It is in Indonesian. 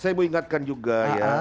saya mau ingatkan juga ya